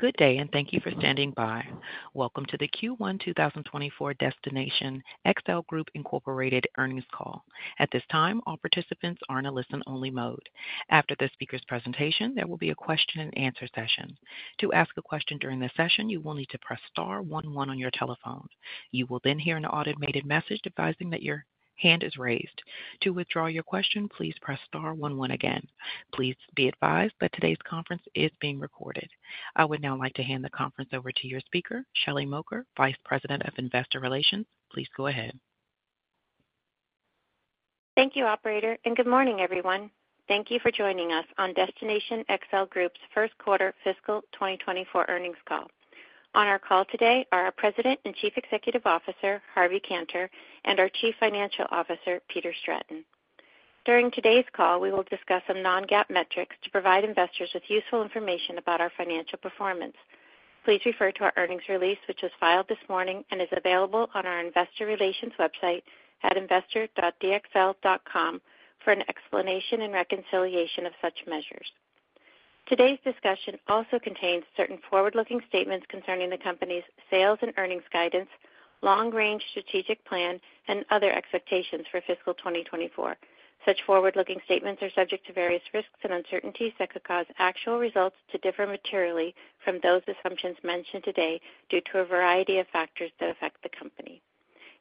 Good day, and thank you for standing by. Welcome to the Q1 2024 Destination XL Group Incorporated earnings call. At this time, all participants are in a listen-only mode. After the speaker's presentation, there will be a question-and-answer session. To ask a question during the session, you will need to press star one one on your telephone. You will then hear an automated message advising that your hand is raised. To withdraw your question, please press star one one again. Please be advised that today's conference is being recorded. I would now like to hand the conference over to your speaker, Shelley Mokas, Vice President of Investor Relations. Please go ahead. Thank you, operator, and good morning, everyone. Thank you for joining us on Destination XL Group's Q1 fiscal 2024 earnings call. On our call today are our President and Chief Executive Officer, Harvey Kanter, and our Chief Financial Officer, Peter Stratton. During today's call, we will discuss some non-GAAP metrics to provide investors with useful information about our financial performance. Please refer to our earnings release, which was filed this morning and is available on our investor relations website at investor.dxl.com for an explanation and reconciliation of such measures. Today's discussion also contains certain forward-looking statements concerning the company's sales and earnings guidance, long-range strategic plan, and other expectations for fiscal 2024. Such forward-looking statements are subject to various risks and uncertainties that could cause actual results to differ materially from those assumptions mentioned today due to a variety of factors that affect the company.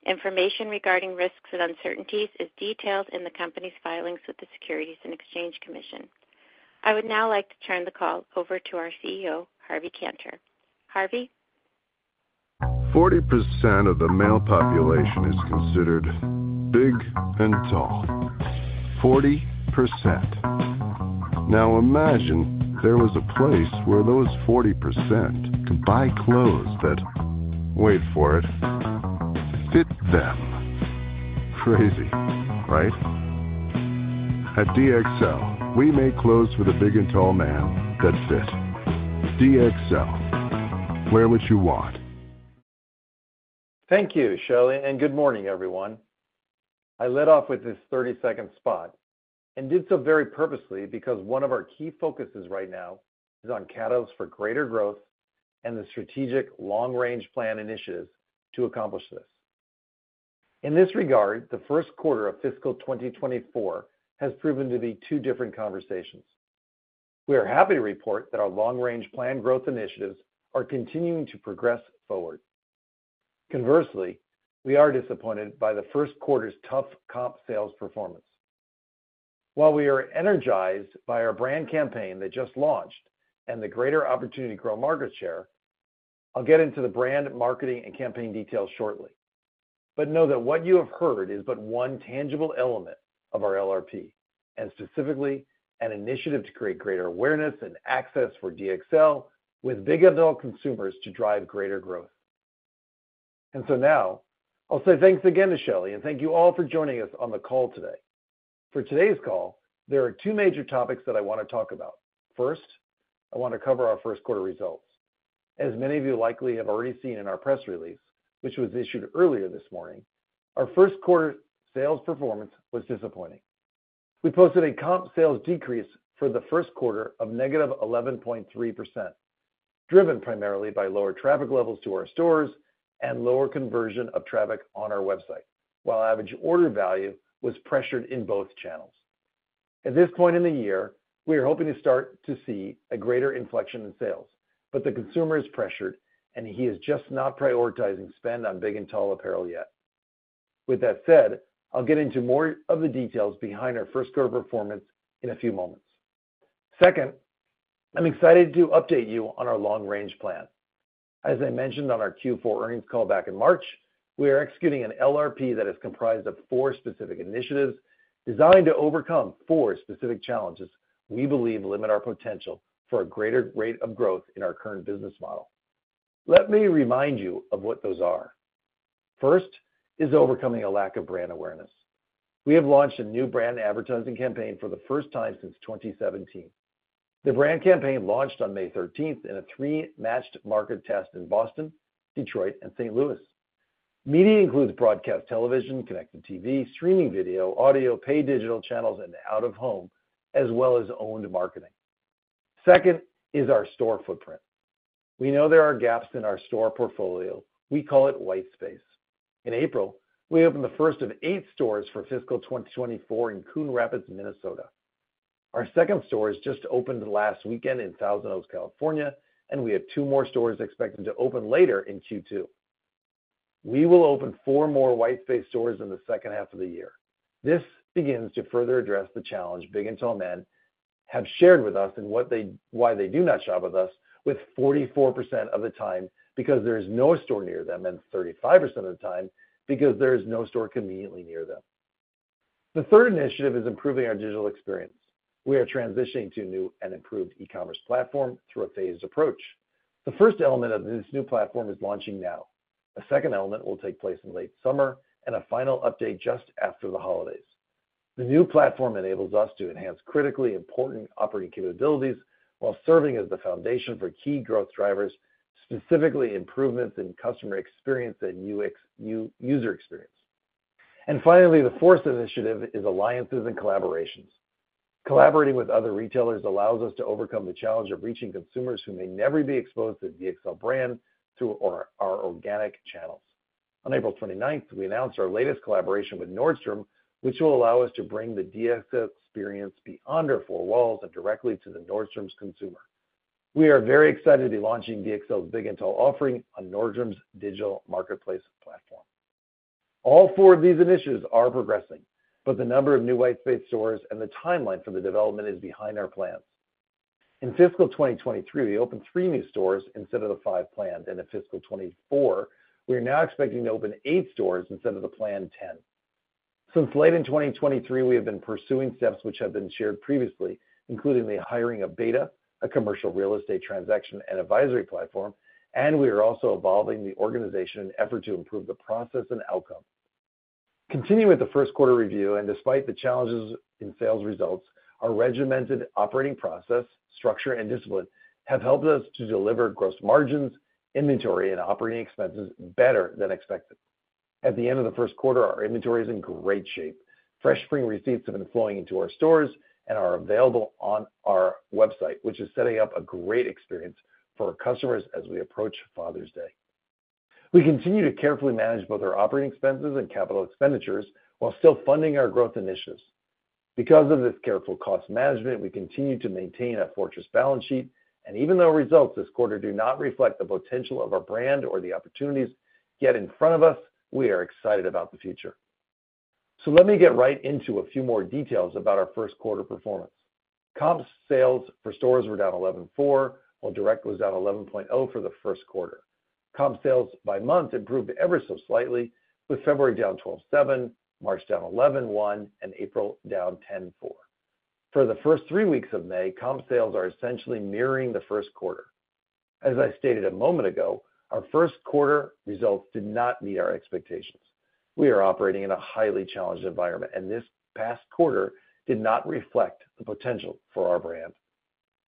Information regarding risks and uncertainties is detailed in the company's filings with the Securities and Exchange Commission. I would now like to turn the call over to our CEO, Harvey Kanter. Harvey? 40% of the male population is considered big and tall. 40%. Now, imagine there was a place where those 40% could buy clothes that, wait for it, fit them. Crazy, right? At DXL, we make clothes for the big and tall man that fit. DXL, wear what you want. Thank you, Shelley, and good morning, everyone. I led off with this 30-second spot and did so very purposely because one of our key focuses right now is on catalogs for greater growth and the strategic long-range plan initiatives to accomplish this. In this regard, the Q1 of fiscal 2024 has proven to be two different conversations. We are happy to report that our long-range plan growth initiatives are continuing to progress forward. Conversely, we are disappointed by the Q1's tough comp sales performance. While we are energized by our brand campaign that just launched and the greater opportunity to grow market share, I'll get into the brand, marketing, and campaign details shortly. But know that what you have heard is but one tangible element of our LRP, and specifically, an initiative to create greater awareness and access for DXL with big and tall consumers to drive greater growth. And so now, I'll say thanks again to Shelley, and thank you all for joining us on the call today. For today's call, there are two major topics that I want to talk about. First, I want to cover our Q1 results. As many of you likely have already seen in our press release, which was issued earlier this morning, our Q1 sales performance was disappointing. We posted a comp sales decrease for the Q1 of negative 11.3%, driven primarily by lower traffic levels to our stores and lower conversion of traffic on our website, while average order value was pressured in both channels. At this point in the year, we are hoping to start to see a greater inflection in sales, but the consumer is pressured, and he is just not prioritizing spend on big and tall apparel yet. With that said, I'll get into more of the details behind our Q1 performance in a few moments. Second, I'm excited to update you on our long-range plan. As I mentioned on our Q4 earnings call back in March, we are executing an LRP that is comprised of four specific initiatives designed to overcome four specific challenges we believe limit our potential for a greater rate of growth in our current business model. Let me remind you of what those are. First is overcoming a lack of brand awareness. We have launched a new brand advertising campaign for the first time since 2017. The brand campaign launched on May 13th in a three matched market test in Boston, Detroit, and St. Louis. Media includes broadcast television, Connected TV, streaming video, audio, paid digital channels, and out-of-home, as well as owned marketing. Second is our store footprint. We know there are gaps in our store portfolio. We call it white space. In April, we opened the first of eight stores for fiscal 2024 in Coon Rapids, Minnesota. Our second store has just opened last weekend in Thousand Oaks, California, and we have two more stores expected to open later in Q2. We will open four more white space stores in the second half of the year. This begins to further address the challenge big and tall men have shared with us and what they, why they do not shop with us, with 44% of the time because there is no store near them, and 35% of the time because there is no store conveniently near them. The 3rd initiative is improving our digital experience. We are transitioning to a new and improved e-commerce platform through a phased approach. The first element of this new platform is launching now. A second element will take place in late summer and a final update just after the holidays. The new platform enables us to enhance critically important operating capabilities while serving as the foundation for key growth drivers, specifically improvements in customer experience and UX, user experience. And finally, the 4th initiative is alliances and collaborations. Collaborating with other retailers allows us to overcome the challenge of reaching consumers who may never be exposed to the DXL brand through our organic channels. On April 29th, we announced our latest collaboration with Nordstrom, which will allow us to bring the DXL experience beyond our four walls and directly to the Nordstrom's consumer. We are very excited to be launching DXL Big and Tall offering on Nordstrom's digital marketplace platform. All four of these initiatives are progressing, but the number of new white space stores and the timeline for the development is behind our plans. In fiscal 2023, we opened three new stores instead of the five planned, and in fiscal 2024, we are now expecting to open eight stores instead of the planned 10. Since late in 2023, we have been pursuing steps which have been shared previously, including the hiring of Beta, a commercial real estate transaction and advisory platform, and we are also evolving the organization in effort to improve the process and outcome. Continuing with the Q1 review, and despite the challenges in sales results, our regimented operating process, structure, and discipline have helped us to deliver gross margins, inventory, and operating expenses better than expected. At the end of the Q1, our inventory is in great shape. Fresh spring receipts have been flowing into our stores and are available on our website, which is setting up a great experience for our customers as we approach Father's Day. We continue to carefully manage both our operating expenses and capital expenditures while still funding our growth initiatives. Because of this careful cost management, we continue to maintain a fortress balance sheet, and even though results this quarter do not reflect the potential of our brand or the opportunities yet in front of us, we are excited about the future. Let me get right into a few more details about our Q1 performance. Comp sales for stores were down 11.4%, while direct was down 11.0% for the Q1. Comp sales by month improved ever so slightly, with February down 12.7%, March down 11.1%, and April down 10.4%. For the first three weeks of May, comp sales are essentially mirroring the Q1. As I stated a moment ago, our Q1 results did not meet our expectations. We are operating in a highly challenged environment, and this past quarter did not reflect the potential for our brand.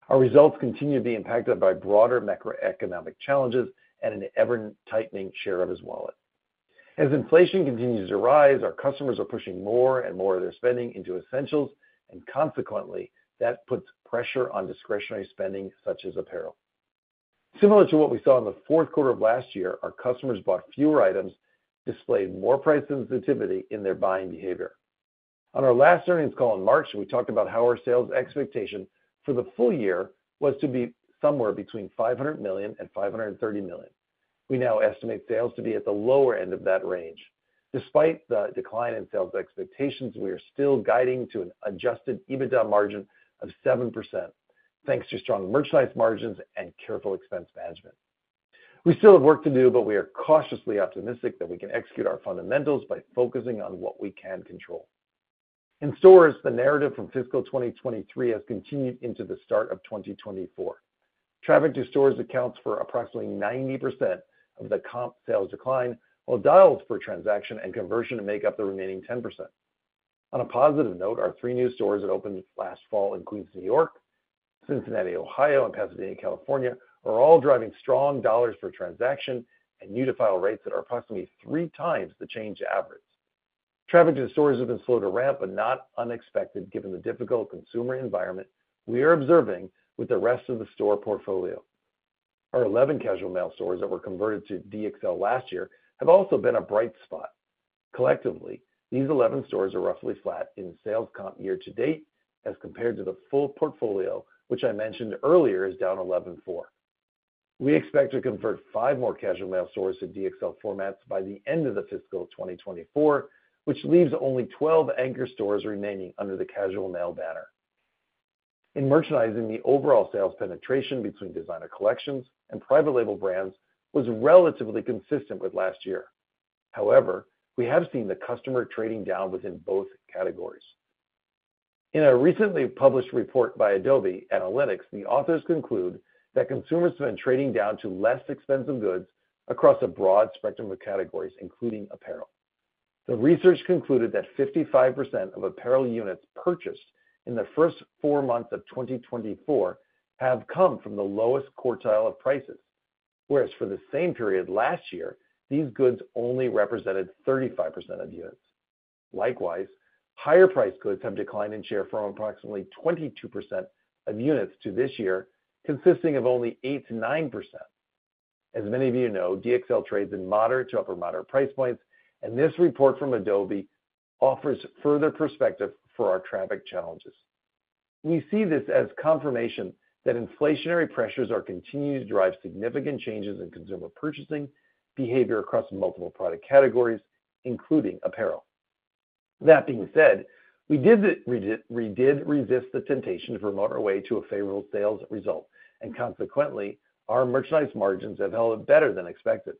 Our results continue to be impacted by broader macroeconomic challenges and an ever-tightening share of his wallet. As inflation continues to rise, our customers are pushing more and more of their spending into essentials, and consequently, that puts pressure on discretionary spending, such as apparel. Similar to what we saw in the Q4 of last year, our customers bought fewer items, displaying more price sensitivity in their buying behavior. On our last earnings call in March, we talked about how our sales expectation for the full year was to be somewhere between $500 million and $530 million. We now estimate sales to be at the lower end of that range. Despite the decline in sales expectations, we are still guiding to an Adjusted EBITDA margin of 7%, thanks to strong merchandise margins and careful expense management. We still have work to do, but we are cautiously optimistic that we can execute our fundamentals by focusing on what we can control. In stores, the narrative from fiscal 2023 has continued into the start of 2024. Traffic to stores accounts for approximately 90% of the comp sales decline, while dollars per transaction and conversion make up the remaining 10%. On a positive note, our three new stores that opened last fall, including New York, Cincinnati, Ohio, and Pasadena, California, are all driving strong dollars per transaction and new to file rates that are approximately 3x the chain average. Traffic to stores have been slow to ramp, but not unexpected, given the difficult consumer environment we are observing with the rest of the store portfolio. Our 11 casual male stores that were converted to DXL last year have also been a bright spot. Collectively, these 11 stores are roughly flat in sales comp year to date as compared to the full portfolio, which I mentioned earlier, is down 11.4. We expect to convert five more Casual Male stores to DXL formats by the end of the fiscal 2024, which leaves only 12 anchor stores remaining under the Casual Male banner. In merchandising, the overall sales penetration between designer collections and private label brands was relatively consistent with last year. However, we have seen the customer trading down within both categories. In a recently published report by Adobe Analytics, the authors conclude that consumers have been trading down to less expensive goods across a broad spectrum of categories, including apparel. The research concluded that 55% of apparel units purchased in the first four months of 2024 have come from the lowest quartile of prices, whereas for the same period last year, these goods only represented 35% of units. Likewise, higher priced goods have declined in share from approximately 22% of units to this year, consisting of only 8%-9%. As many of you know, DXL trades in moderate to upper moderate price points, and this report from Adobe offers further perspective for our traffic challenges. We see this as confirmation that inflationary pressures are continuing to drive significant changes in consumer purchasing behavior across multiple product categories, including apparel. That being said, we did resist the temptation to promote our way to a favorable sales result, and consequently, our merchandise margins have held up better than expected.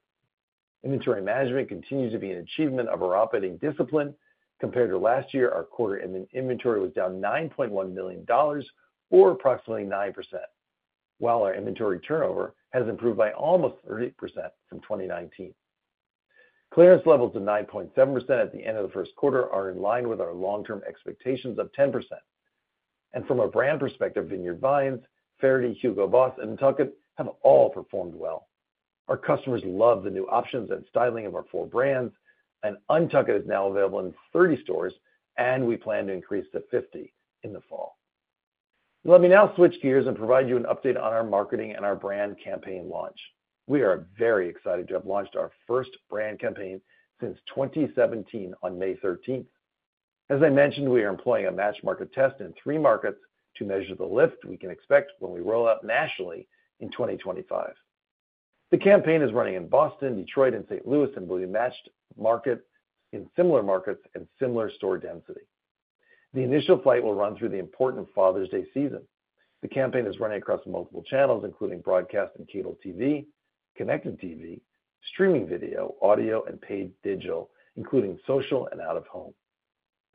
Inventory management continues to be an achievement of our operating discipline. Compared to last year, our quarter in inventory was down $9.1 million or approximately 9%, while our inventory turnover has improved by almost 30% from 2019. Clearance levels of 9.7% at the end of the Q1 are in line with our long-term expectations of 10%. From a brand perspective, Vineyard Vines, Faherty, Hugo Boss, and UNTUCKit have all performed well. Our customers love the new options and styling of our four brands, and UNTUCKit is now available in 30 stores, and we plan to increase to 50 in the fall. Let me now switch gears and provide you an update on our marketing and our brand campaign launch. We are very excited to have launched our first brand campaign since 2017 on May 13th. As I mentioned, we are employing a matched market test in three markets to measure the lift we can expect when we roll out nationally in 2025. The campaign is running in Boston, Detroit, and St. Louis, and will be in similar markets and similar store density. The initial flight will run through the important Father's Day season. The campaign is running across multiple channels, including broadcast and cable TV, connected TV, streaming video, audio, and paid digital, including social and out-of-home.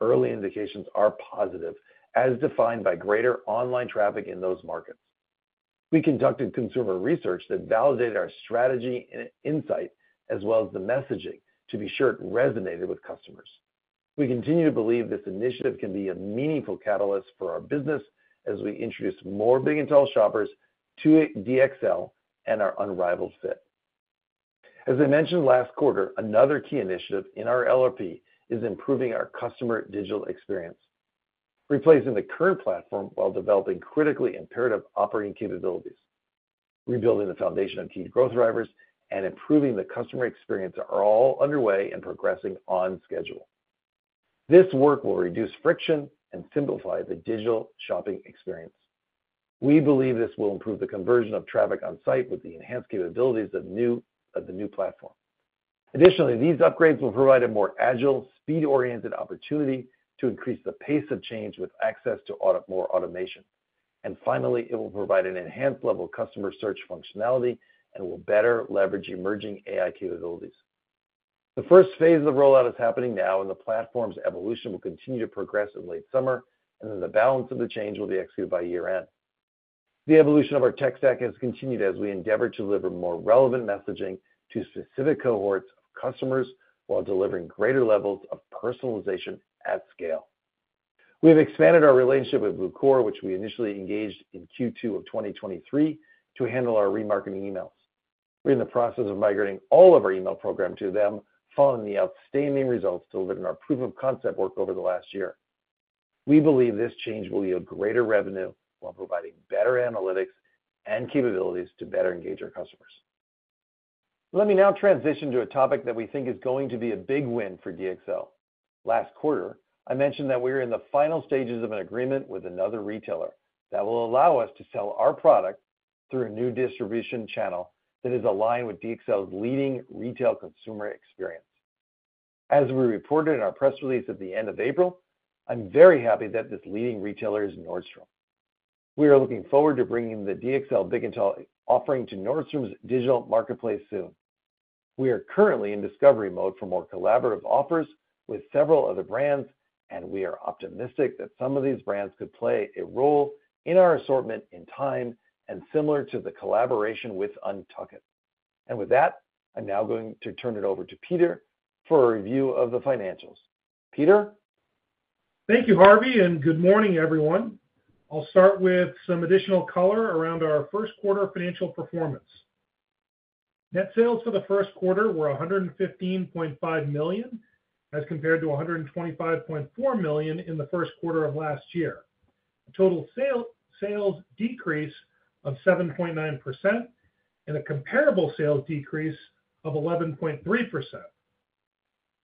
Early indications are positive, as defined by greater online traffic in those markets. We conducted consumer research that validated our strategy and insight, as well as the messaging, to be sure it resonated with customers. We continue to believe this initiative can be a meaningful catalyst for our business as we introduce more big and tall shoppers to DXL and our unrivaled fit. As I mentioned last quarter, another key initiative in our LRP is improving our customer digital experience. Replacing the current platform while developing critically imperative operating capabilities, rebuilding the foundation on key growth drivers, and improving the customer experience are all underway and progressing on schedule. This work will reduce friction and simplify the digital shopping experience. We believe this will improve the conversion of traffic on site with the enhanced capabilities of the new platform. Additionally, these upgrades will provide a more agile, speed-oriented opportunity to increase the pace of change with access to more automation. And finally, it will provide an enhanced level of customer search functionality and will better leverage emerging AI capabilities. The first phase of the rollout is happening now, and the platform's evolution will continue to progress in late summer, and then the balance of the change will be executed by year-end. The evolution of our tech stack has continued as we endeavor to deliver more relevant messaging to specific cohorts of customers while delivering greater levels of personalization at scale. We have expanded our relationship with Bluecore, which we initially engaged in Q2 of 2023, to handle our remarketing emails. We're in the process of migrating all of our email program to them, following the outstanding results delivered in our proof of concept work over the last year. We believe this change will yield greater revenue while providing better analytics and capabilities to better engage our customers. Let me now transition to a topic that we think is going to be a big win for DXL. Last quarter, I mentioned that we were in the final stages of an agreement with another retailer that will allow us to sell our product through a new distribution channel that is aligned with DXL's leading retail consumer experience. As we reported in our press release at the end of April, I'm very happy that this leading retailer is Nordstrom. We are looking forward to bringing the DXL Big and Tall offering to Nordstrom's digital marketplace soon. We are currently in discovery mode for more collaborative offers with several other brands, and we are optimistic that some of these brands could play a role in our assortment in time and similar to the collaboration with UNTUCKit. And with that, I'm now going to turn it over to Peter for a review of the financials. Peter? Thank you, Harvey, and good morning, everyone. I'll start with some additional color around our Q1 financial performance. Net sales for the Q1 were $115.5 million, as compared to $125.4 million in the Q1 of last year. A total sales decrease of 7.9%, and a comparable sales decrease of 11.3%.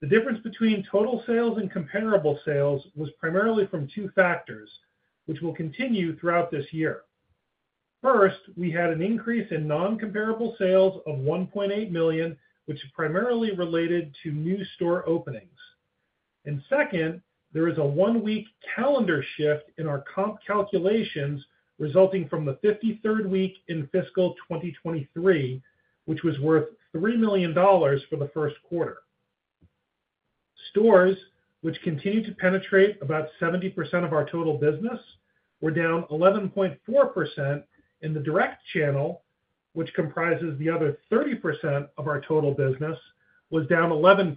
The difference between total sales and comparable sales was primarily from two factors, which will continue throughout this year. First, we had an increase in non-comparable sales of $1.8 million, which is primarily related to new store openings. And second, there is a one-week calendar shift in our comp calculations resulting from the 53rd week in fiscal 2023, which was worth $3 million for the Q1. Stores, which continue to penetrate about 70% of our total business, were down 11.4% in the direct channel, which comprises the other 30% of our total business, was down 11%.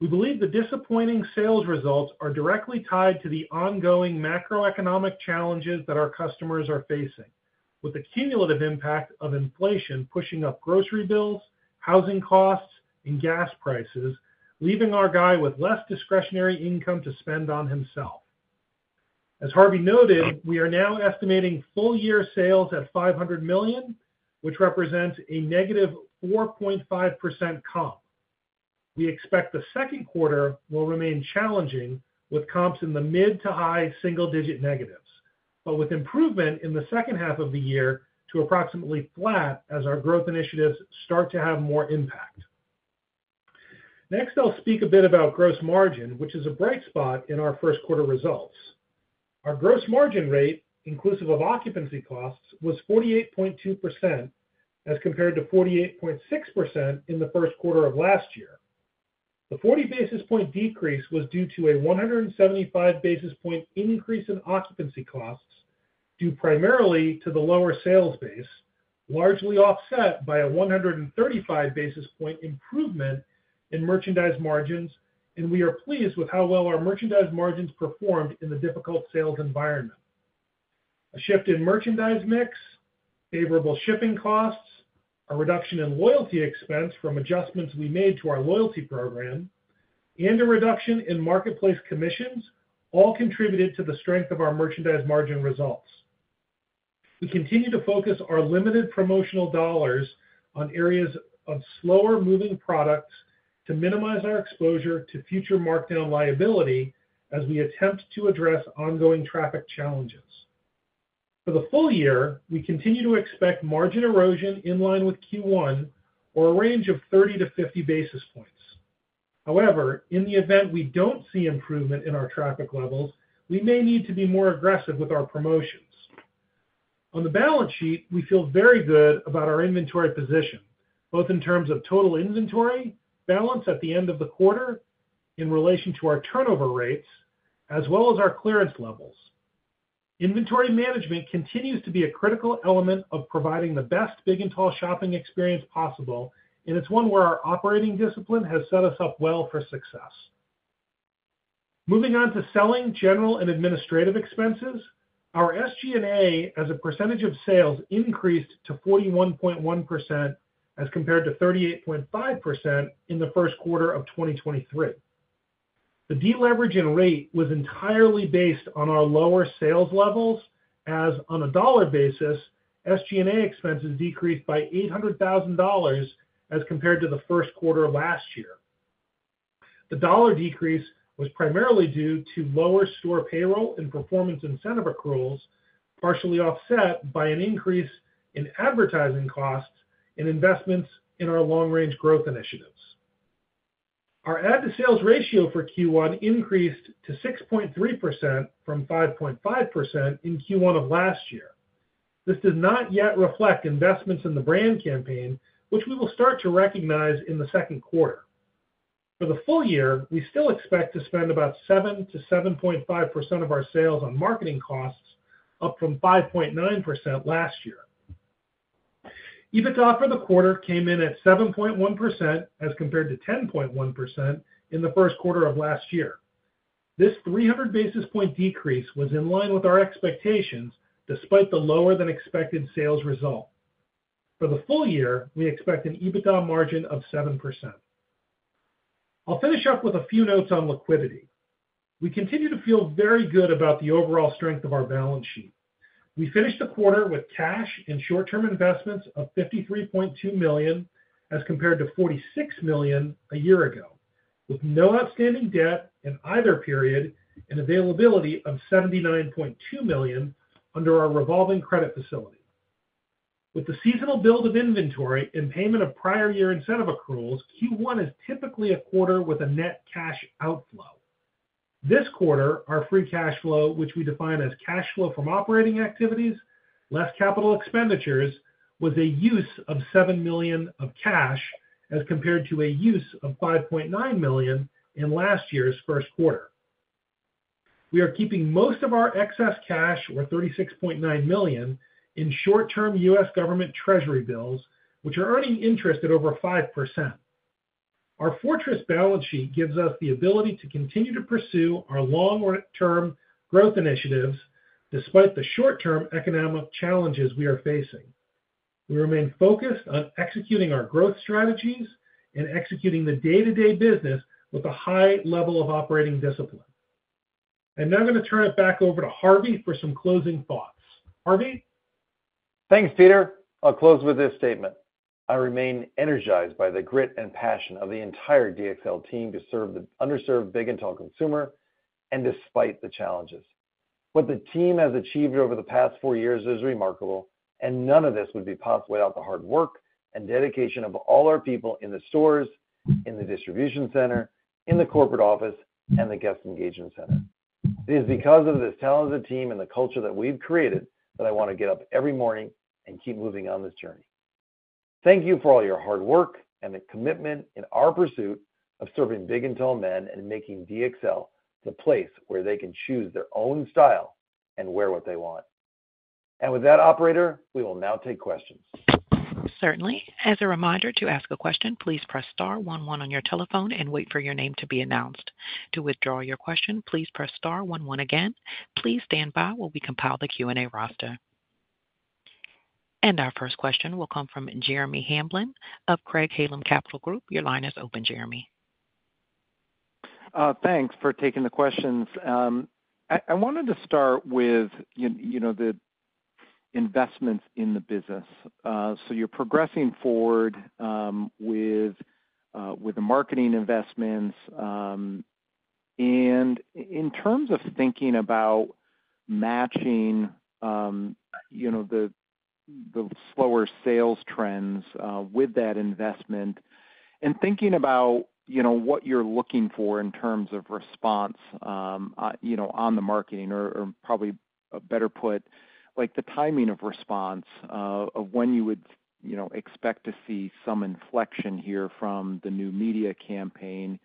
We believe the disappointing sales results are directly tied to the ongoing macroeconomic challenges that our customers are facing, with the cumulative impact of inflation pushing up grocery bills, housing costs, and gas prices, leaving our guy with less discretionary income to spend on himself. As Harvey noted, we are now estimating full-year sales at $500 million, which represents a negative 4.5% comp. We expect the Q2 will remain challenging, with comps in the mid- to high-single-digit negatives, but with improvement in the second half of the year to approximately flat as our growth initiatives start to have more impact. Next, I'll speak a bit about gross margin, which is a bright spot in our Q1 results. Our gross margin rate, inclusive of occupancy costs, was 48.2%, as compared to 48.6% in the Q1 of last year. The 40 basis point decrease was due to a 175 basis point increase in occupancy costs, due primarily to the lower sales base, largely offset by a 135 basis point improvement in merchandise margins, and we are pleased with how well our merchandise margins performed in the difficult sales environment. A shift in merchandise mix, favorable shipping costs, a reduction in loyalty expense from adjustments we made to our loyalty program, and a reduction in marketplace commissions all contributed to the strength of our merchandise margin results. We continue to focus our limited promotional dollars on areas of slower-moving products to minimize our exposure to future markdown liability as we attempt to address ongoing traffic challenges. For the full year, we continue to expect margin erosion in line with Q1 or a range of 30-50 basis points. However, in the event we don't see improvement in our traffic levels, we may need to be more aggressive with our promotions. On the balance sheet, we feel very good about our inventory position, both in terms of total inventory balance at the end of the quarter in relation to our turnover rates, as well as our clearance levels. Inventory management continues to be a critical element of providing the best big and tall shopping experience possible, and it's one where our operating discipline has set us up well for success. Moving on to Selling, General and Administrative Expenses. Our SG&A, as a percentage of sales, increased to 41.1% as compared to 38.5% in the Q1 of 2023. The deleveraging rate was entirely based on our lower sales levels, as on a dollar basis, SG&A expenses decreased by $800,000 as compared to the Q1 of last year. The dollar decrease was primarily due to lower store payroll and performance incentive accruals, partially offset by an increase in advertising costs and investments in our long-range growth initiatives. Our ad to sales ratio for Q1 increased to 6.3% from 5.5% in Q1 of last year. This does not yet reflect investments in the brand campaign, which we will start to recognize in the Q2. For the full year, we still expect to spend about 7%-7.5% of our sales on marketing costs, up from 5.9% last year. EBITDA for the quarter came in at 7.1%, as compared to 10.1% in the Q1 of last year. This 300 basis point decrease was in line with our expectations, despite the lower than expected sales result. For the full year, we expect an EBITDA margin of 7%. I'll finish up with a few notes on liquidity. We continue to feel very good about the overall strength of our balance sheet. We finished the quarter with cash and short-term investments of $53.2 million, as compared to $46 million a year ago, with no outstanding debt in either period and availability of $79.2 million under our revolving credit facility. With the seasonal build of inventory and payment of prior year incentive accruals, Q1 is typically a quarter with a net cash outflow. This quarter, our free cash flow, which we define as cash flow from operating activities, less capital expenditures, was a use of $7 million of cash, as compared to a use of $5.9 million in last year's Q1. We are keeping most of our excess cash, or $36.9 million, in short-term U.S. government Treasury bills, which are earning interest at over 5%. Our fortress balance sheet gives us the ability to continue to pursue our long-term growth initiatives, despite the short-term economic challenges we are facing. We remain focused on executing our growth strategies and executing the day-to-day business with a high level of operating discipline. I'm now going to turn it back over to Harvey for some closing thoughts. Harvey? Thanks, Peter. I'll close with this statement: I remain energized by the grit and passion of the entire DXL team to serve the underserved big and tall consumer and despite the challenges. What the team has achieved over the past four years is remarkable, and none of this would be possible without the hard work and dedication of all our people in the stores, in the distribution center, in the corporate office, and the guest engagement center. It is because of this talented team and the culture that we've created, that I want to get up every morning and keep moving on this journey. Thank you for all your hard work and the commitment in our pursuit of serving big and tall men and making DXL the place where they can choose their own style and wear what they want. With that, operator, we will now take questions. Certainly. As a reminder, to ask a question, please press star one one on your telephone and wait for your name to be announced. To withdraw your question, please press star one one again. Please stand by while we compile the Q&A roster. Our first question will come from Jeremy Hamblin of Craig-Hallum Capital Group. Your line is open, Jeremy. Thanks for taking the questions. I wanted to start with, you know, the investments in the business. You're progressing forward with the marketing investments. And in terms of thinking about matching, you know, the slower sales trends with that investment. And thinking about, you know, what you're looking for in terms of response, you know, on the marketing or probably better put, like, the timing of response of when you would, you know, expect to see some inflection here from the new media campaign.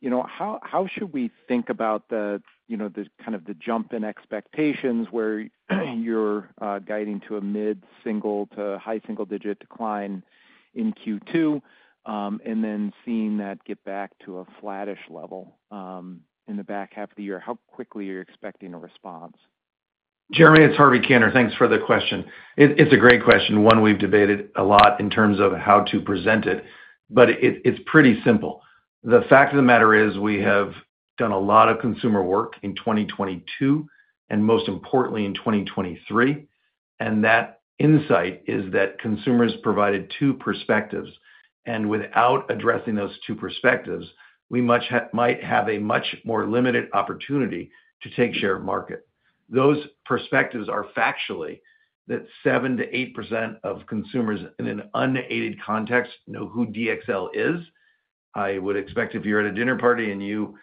You know, how should we think about the, you know, the kind of jump in expectations where you're guiding to a mid-single to high single-digit decline in Q2, and then seeing that get back to a flattish level in the back half of the year? How quickly are you expecting a response? Jeremy, it's Harvey Kanter. Thanks for the question. It's a great question, one we've debated a lot in terms of how to present it, but it's pretty simple. The fact of the matter is, we have done a lot of consumer work in 2022, and most importantly, in 2023, and that insight is that consumers provided two perspectives. Without addressing those two perspectives, we might have a much more limited opportunity to take share of market. Those perspectives are factually that 7%-8% of consumers in an unaided context know who DXL is. I would expect if you're at a dinner party and you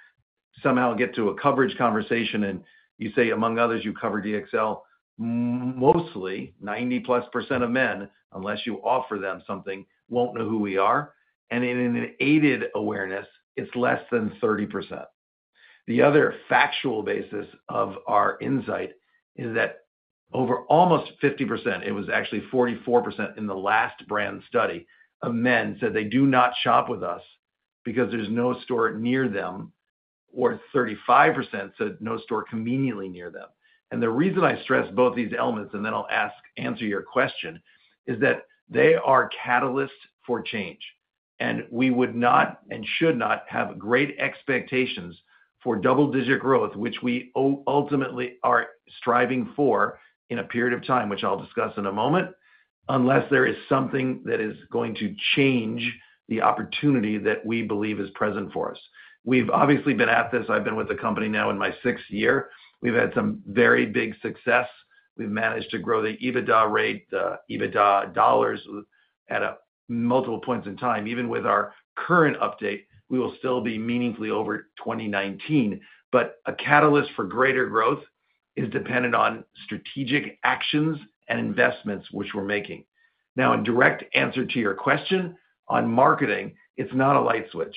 somehow get to a coverage conversation, and you say, among others, you cover DXL, mostly 90+% of men, unless you offer them something, won't know who we are, and in an aided awareness, it's less than 30%. The other factual basis of our insight is that over almost 50%, it was actually 44% in the last brand study, of men said they do not shop with us because there's no store near them, or 35% said no store conveniently near them. The reason I stress both these elements, and then I'll answer your question, is that they are catalysts for change, and we would not and should not have great expectations for double-digit growth, which we ultimately are striving for in a period of time, which I'll discuss in a moment, unless there is something that is going to change the opportunity that we believe is present for us. We've obviously been at this i've been with the company now in my sixth year. We've had some very big success. We've managed to grow the EBITDA rate, the EBITDA dollars, at a multiple points in time even with our current update, we will still be meaningfully over 2019. But a catalyst for greater growth is dependent on strategic actions and investments, which we're making. Now, in direct answer to your question on marketing, it's not a light switch.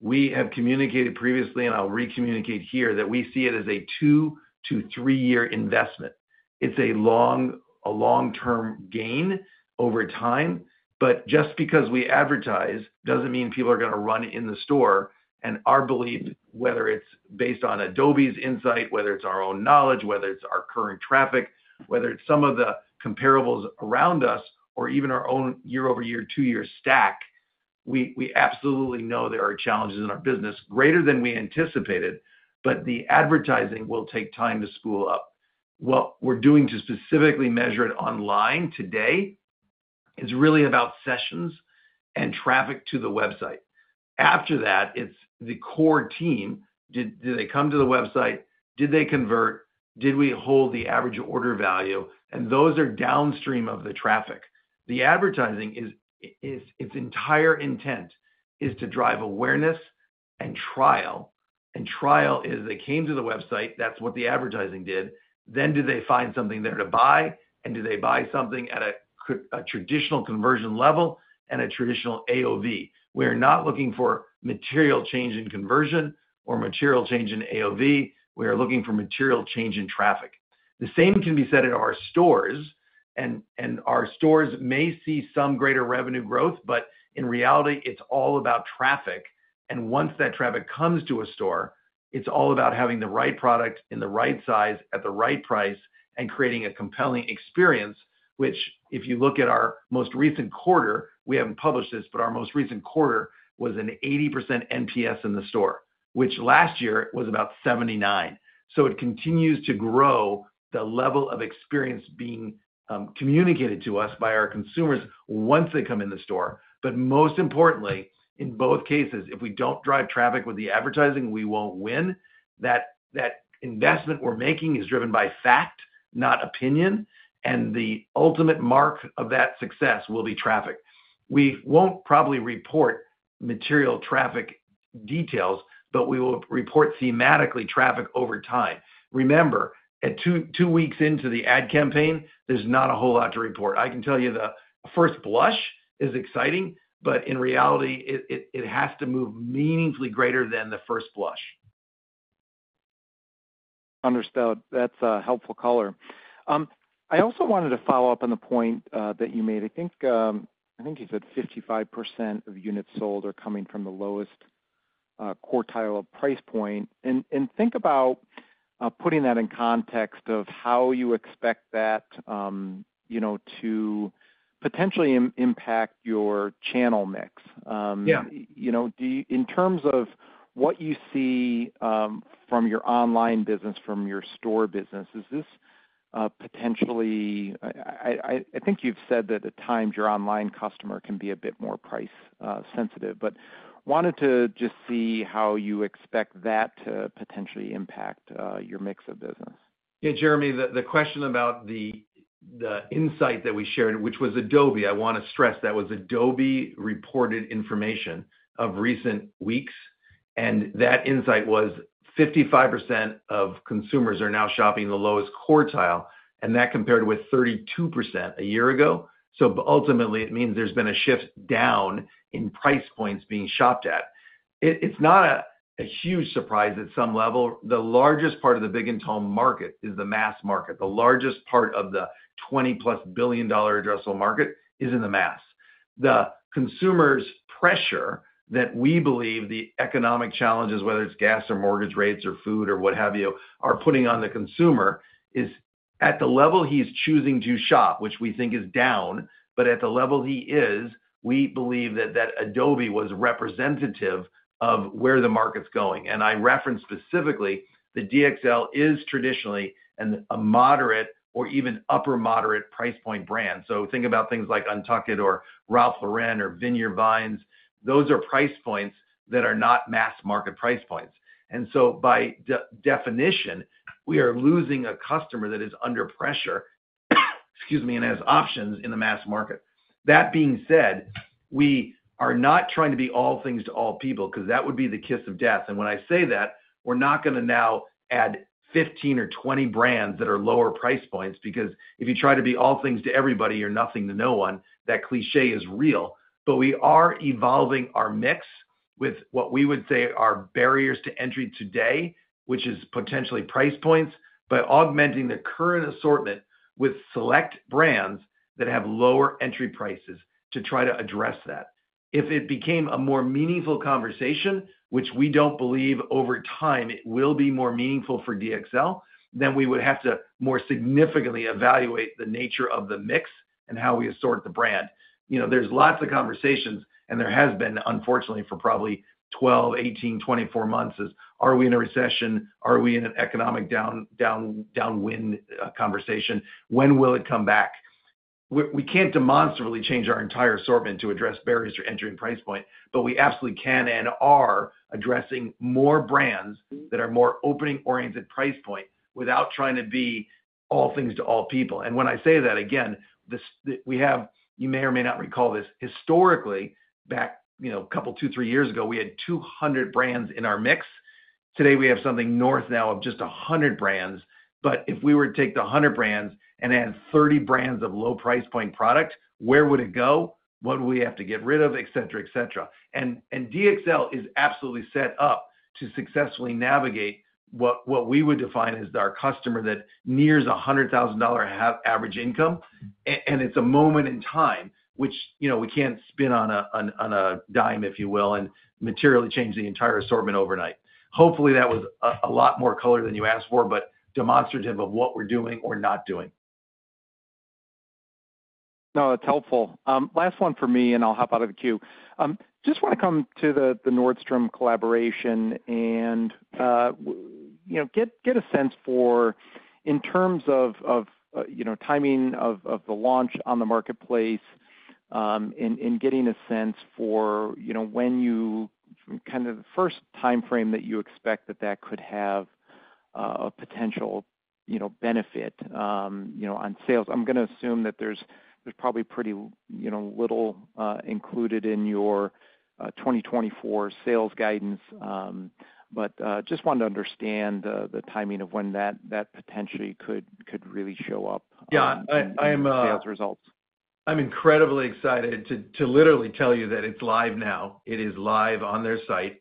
We have communicated previously, and I'll re-communicate here, that we see it as a 2-3-year investment. It's a long-term gain over time, but just because we advertise, doesn't mean people are gonna run in the store. And our belief, whether it's based on Adobe's insight, whether it's our own knowledge, whether it's our current traffic, whether it's some of the comparables around us, or even our own year-over-year, 2-year stack, we absolutely know there are challenges in our business greater than we anticipated, but the advertising will take time to spool up. What we're doing to specifically measure it online today is really about sessions and traffic to the website. After that, it's the core team. Did they come to the website? Did they convert? Did we hold the average order value? And those are downstream of the traffic. The advertising's entire intent is to drive awareness and trial, and trial is they came to the website, that's what the advertising did. Then, did they find something there to buy? And did they buy something at a traditional conversion level and a traditional AOV? We're not looking for material change in conversion or material change in AOV. We are looking for material change in traffic. The same can be said at our stores, and our stores may see some greater revenue growth, but in reality, it's all about traffic. Once that traffic comes to a store, it's all about having the right product in the right size at the right price and creating a compelling experience, which, if you look at our most recent quarter, we haven't published this, but our most recent quarter was an 80% NPS in the store, which last year was about 79. So it continues to grow the level of experience being communicated to us by our consumers once they come in the store. Most importantly, in both cases, if we don't drive traffic with the advertising, we won't win. That investment we're making is driven by fact, not opinion, and the ultimate mark of that success will be traffic. We won't probably report material traffic details, but we will report thematically traffic over time. Remember, two weeks into the ad campaign, there's not a whole lot to report. I can tell you the first blush is exciting, but in reality, it has to move meaningfully greater than the first blush. Understood. That's a helpful color. I also wanted to follow up on the point that you made i think you said 55% of units sold are coming from the lowest quartile of price point. And think about putting that in context of how you expect that, you know, to potentially impact your channel mix. Yeah. You know, in terms of what you see from your online business, from your store business, is this potentially... I think you've said that at times your online customer can be a bit more price sensitive, but wanted to just see how you expect that to potentially impact your mix of business. Jeremy, the question about the insight that we shared, which was Adobe, I want to stress, that was Adobe-reported information of recent weeks, and that insight was 55% of consumers are now shopping the lowest quartile, and that compared with 32% a year ago. So but ultimately, it means there's been a shift down in price points being shopped at. It's not a huge surprise at some level. The largest part of the big-and-tall market is the mass market. The largest part of the $20+ billion addressable market is in the mass. The consumer's pressure that we believe the economic challenges, whether it's gas or mortgage rates or food or what have you, are putting on the consumer is at the level he's choosing to shop, which we think is down, but at the level he is, we believe that Adobe was representative of where the market's going. I referenced specifically that DXL is traditionally a moderate or even upper moderate price point brand. So think about things like UNTUCKit or Ralph Lauren or Vineyard Vines. Those are price points that are not mass-market price points. And so by definition, we are losing a customer that is under pressure, excuse me, and has options in the mass market. That being said, we are not trying to be all things to all people, 'cause that would be the kiss of death and when I say that, we're not gonna now add 15 or 20 brands that are lower price points, because if you try to be all things to everybody, you're nothing to no one. That cliché is real. We are evolving our mix with what we would say are barriers to entry today, which is potentially price points, by augmenting the current assortment with select brands that have lower entry prices to try to address that. If it became a more meaningful conversation, which we don't believe over time, it will be more meaningful for DXL, then we would have to more significantly evaluate the nature of the mix and how we assort the brand. You know, there's lots of conversations, and there has been, unfortunately, for probably 12, 18, 24 months, is, are we in a recession? Are we in an economic downwind conversation? When will it come back? We can't demonstrably change our entire assortment to address barriers to entry and price point, but we absolutely can and are addressing more brands that are more opening-oriented price point without trying to be all things to all people and when I say that, again, we have. You may or may not recall this. Historically, back, you know, a couple, 2, 3 years ago, we had 200 brands in our mix. Today, we have something north now of just 100 brands. But if we were to take the 100 brands and add 30 brands of low price point product, where would it go? What would we have to get rid of? Et cetera, et cetera. DXL is absolutely set up to successfully navigate what we would define as our customer that nears a $100,000 average income. And it's a moment in time, which, you know, we can't spin on a dime, if you will, and materially change the entire assortment overnight. Hopefully, that was a lot more color than you asked for, but demonstrative of what we're doing or not doing. No, it's helpful. Last one for me, and I'll hop out of the queue. Just wanna come to the Nordstrom collaboration and, you know, get a sense for, in terms of, you know, timing of the launch on the marketplace, and getting a sense for, you know, when you kind of the first timeframe that you expect that could have a potential, you know, benefit, you know, on sales. I'm gonna assume that there's probably pretty, you know, little included in your 2024 sales guidance, but just wanted to understand the timing of when that potentially could really show up. Yeah, I am. in your sales results. I'm incredibly excited to literally tell you that it's live now. It is live on their site.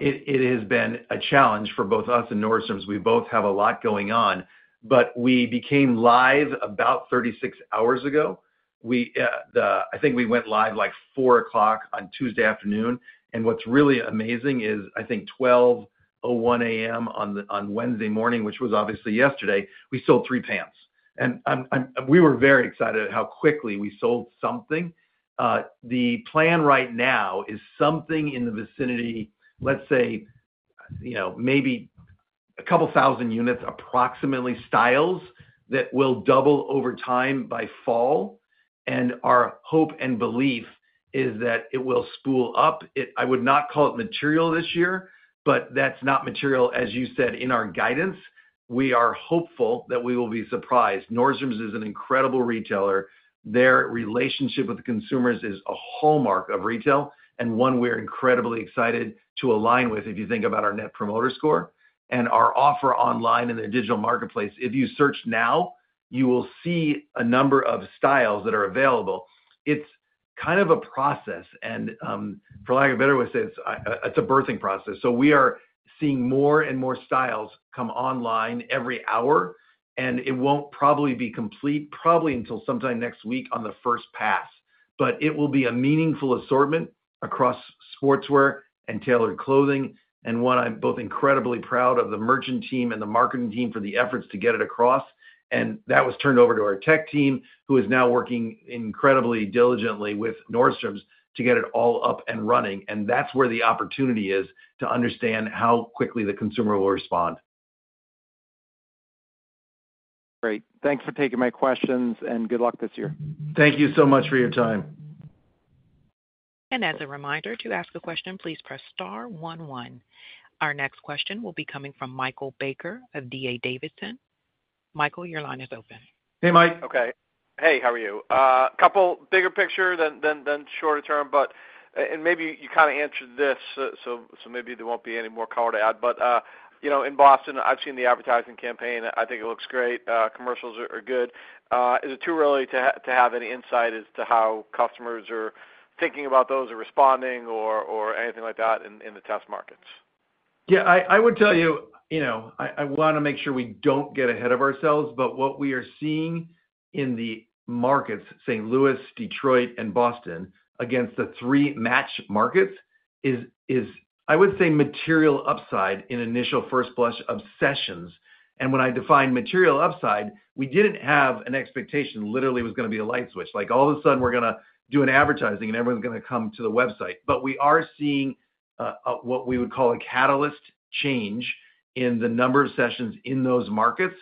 It has been a challenge for both us and Nordstrom's we both have a lot going on, but we became live about 36 hours ago. I think we went live, like, 4:00 P.M. on Tuesday afternoon, and what's really amazing is, I think 12:01 A.M. on Wednesday morning, which was obviously yesterday, we sold three pants. And we were very excited at how quickly we sold something. The plan right now is something in the vicinity, let's say, you know, maybe a couple thousand units, approximately, styles that will double over time by fall, and our hope and belief is that it will spool up. I would not call it material this year, but that's not material, as you said, in our guidance. We are hopeful that we will be surprised. Nordstrom's is an incredible retailer. Their relationship with the consumers is a hallmark of retail, and one we're incredibly excited to align with, if you think about our Net Promoter Score and our offer online in the digital marketplace if you search now, you will see a number of styles that are available. It's kind of a process, and, for lack of a better way to say it, it's a birthing process we are seeing more and more styles come online every hour, and it won't probably be complete, probably until sometime next week on the first pass. It will be a meaningful assortment across sportswear and tailored clothing, and one I'm both incredibly proud of the merchant team and the marketing team for the efforts to get it across. That was turned over to our tech team, who is now working incredibly diligently with Nordstrom's to get it all up and running. That's where the opportunity is to understand how quickly the consumer will respond. Great. Thanks for taking my questions, and good luck this year. Thank you so much for your time. As a reminder, to ask a question, please press star one, one. Our next question will be coming from Michael Baker of D.A. Davidson. Michael, your line is open. Hey, Mike. Okay. Hey, how are you? A couple bigger picture than shorter term, but, and maybe you kinda answered this, so maybe there won't be any more color to add. You know, in Boston, I've seen the advertising campaign i think it looks great, commercials are good. Is it too early to have any insight as to how customers are thinking about those or responding or anything like that in the test markets? I would tell you, you know, I wanna make sure we don't get ahead of ourselves, but what we are seeing in the markets, St. Louis, Detroit, and Boston, against the three matched markets, is, I would say, material upside in initial first blush observations. And when I define material upside, we didn't have an expectation, literally, it was gonna be a light switch like, all of a sudden, we're gonna do an advertising and everyone's gonna come to the website we are seeing what we would call a catalyst change in the number of sessions in those markets?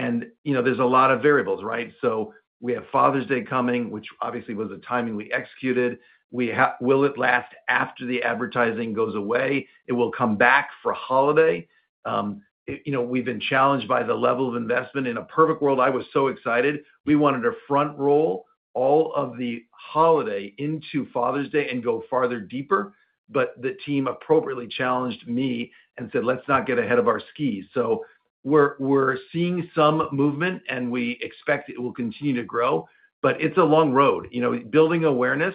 and, you know, there's a lot of variables, right? We have Father's Day coming, which obviously was the timing we executed. Will it last after the advertising goes away? It will come back for holiday. You know, we've been challenged by the level of investment in a perfect world, I was so excited. We wanted to front roll all of the holiday into Father's Day and go farther deeper, but the team appropriately challenged me and said, "Let's not get ahead of our skis." We're seeing some movement, and we expect it will continue to grow. But it's a long road. You know, building awareness,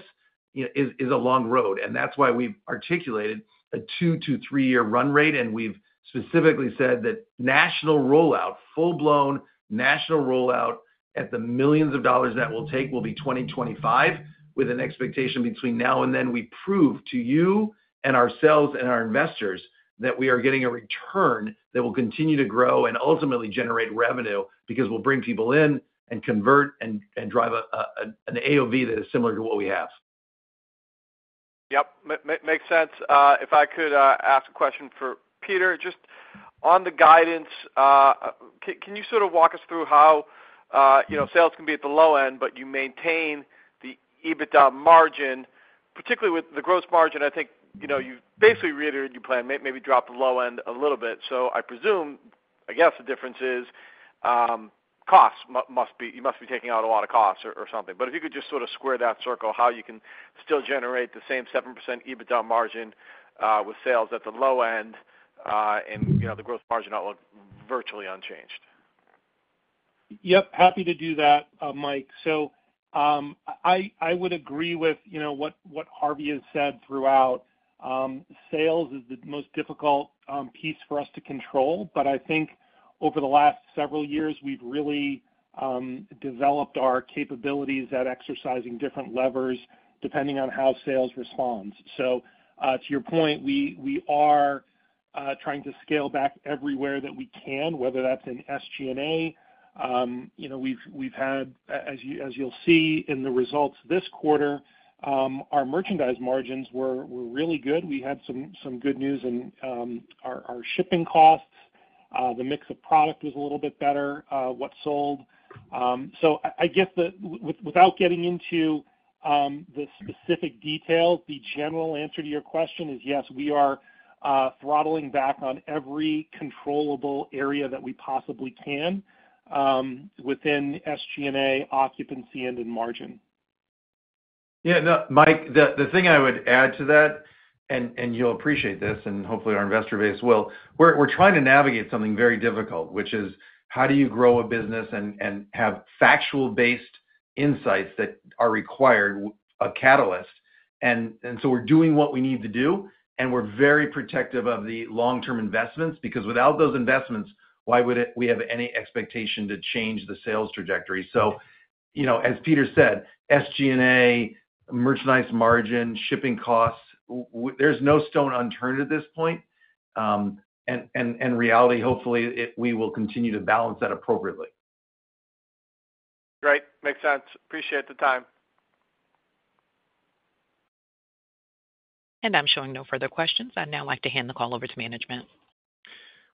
you know, is a long road, and that's why we've articulated a 2-3-year run rate, and we've specifically said that national rollout, full-blown national rollout, at the $ millions that will take, will be 2025, with an expectation between now and then we prove to you and ourselves and our investors that we are getting a return that will continue to grow and ultimately generate revenue, because we'll bring people in and convert and drive an AOV that is similar to what we have. Makes sense. If I could ask a question for Peter. Just, on the guidance, can you sort of walk us through how? you know, sales can be at the low end, but you maintain the EBITDA margin, particularly with the gross margin? I think, you know, you basically reiterated your plan, maybe dropped the low end a little bit. I presume, I guess, the difference is, cost must be you must be taking out a lot of costs or, or something. If you could just sort of square that circle, how you can still generate the same 7% EBITDA margin? with sales at the low end, and, you know, the gross margin outlook virtually unchanged. Yep, happy to do that, Mike. I would agree with, you know, what Harvey has said throughout. Sales is the most difficult piece for us to control, I think over the last several years, we've really developed our capabilities at exercising different levers, depending on how sales responds. To your point, we are trying to scale back everywhere that we can, whether that's in SG&A. You know, we've had, as you'll see in the results this quarter, our merchandise margins were really good we had some good news in our shipping costs. The mix of product was a little bit better, what sold. I guess the... Without getting into the specific details, the general answer to your question is yes, we are throttling back on every controllable area that we possibly can, within SG&A, occupancy, and in margin. Yeah, Mike, the thing I would add to that, and you'll appreciate this, and hopefully our investor base will. We're trying to navigate something very difficult, which is: How do you grow a business and have factual-based insights that are required a catalyst? We're doing what we need to do, and we're very protective of the long-term investments, because without those investments, why would we have any expectation to change the sales trajectory? You know, as Peter said, SG&A, merchandise margin, shipping costs, there's no stone unturned at this point. In reality, hopefully, we will continue to balance that appropriately. Great. Makes sense. Appreciate the time. I'm showing no further questions. I'd now like to hand the call over to management.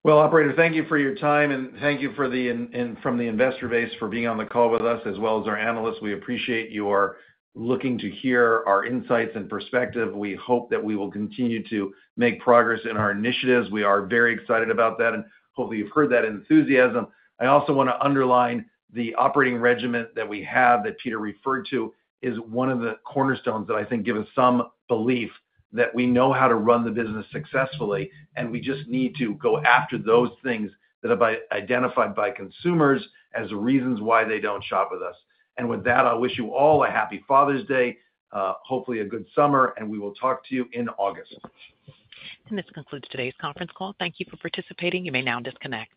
Well, operator, thank you for your time, and thank you for the interest from the investor base for being on the call with us, as well as our analysts we appreciate your looking to hear our insights and perspective. We hope that we will continue to make progress in our initiatives. We are very excited about that, and hopefully, you've heard that enthusiasm. I also wanna underline the operating regimen that we have, that Peter referred to, is one of the cornerstones that I think give us some belief that we know how to run the business successfully, and we just need to go after those things that are identified by consumers as reasons why they don't shop with us. And with that, I wish you all a Happy Father's Day, hopefully a good summer, and we will talk to you in August. This concludes today's conference call. Thank you for participating. You may now disconnect.